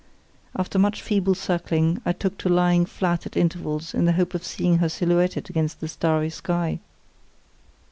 After much feeble circling I took to lying flat at intervals in the hopes of seeing her silhouetted against the starry sky.